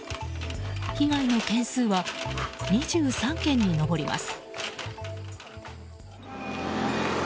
被害の件数は２３件に上ります。